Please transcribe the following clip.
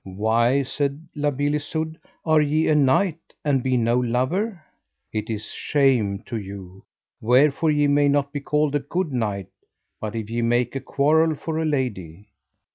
Why, said La Beale Isoud, are ye a knight and be no lover? it is shame to you: wherefore ye may not be called a good knight [but] if ye make a quarrel for a lady.